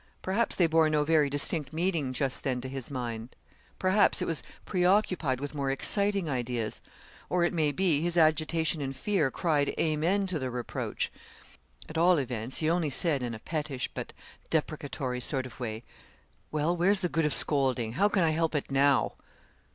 Perhaps they bore no very distinct meaning just then to his mind. Perhaps it was preoccupied with more exciting ideas; or, it may be, his agitation and fear cried 'amen' to the reproach; at all events, he only said, in a pettish but deprecatory sort of way 'Well, where's the good of scolding? how can I help it now?'